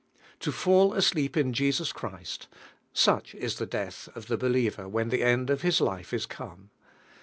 To "fall asleep ia Jesus Christ," such ia the death of the believer when the end of has lite is come.